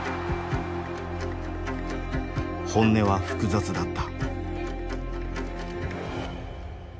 本音は複雑だった。